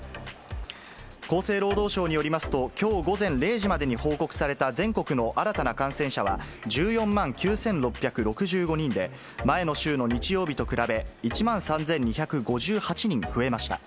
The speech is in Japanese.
厚生労働省によりますと、きょう午前０時までに報告された全国の新たな感染者は、１４万９６６５人で、前の週の日曜日と比べ、１万３２５８人増えました。